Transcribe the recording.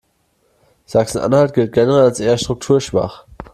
Sachsen-Anhalt gilt generell als eher strukturschwach.